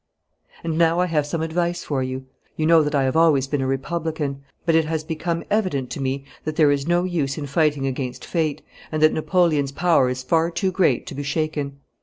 'And now I have some advice for you. You know that I have always been a Republican, but it has become evident to me that there is no use in fighting against fate, and that Napoleon's power is far too great to be shaken.